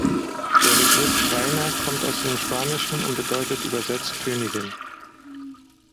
Der Begriff „Reina“ kommt aus dem Spanischen und bedeutet übersetzt „Königin“.